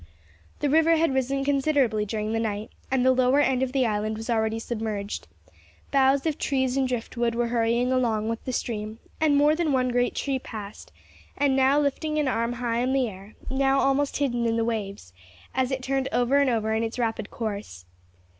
The river had risen considerably during the night, and the lower end of the island was already submerged; boughs of trees and driftwood were hurrying along with the stream, and more than one great tree passed, now lifting an arm high in the air, now almost hidden in the waves, as it turned over and over in its rapid course.